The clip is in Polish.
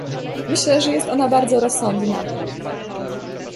Myślę, że jest ona bardzo rozsądna